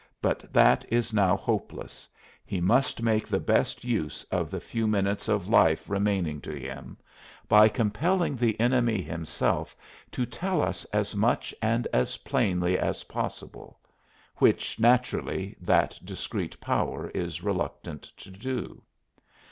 But that is now hopeless; he must make the best use of the few minutes of life remaining to him, by compelling the enemy himself to tell us as much and as plainly as possible which, naturally, that discreet power is reluctant to do.